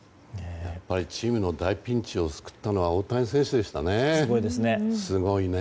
やっぱりチームの大ピンチを救ったのは大谷選手でしたね。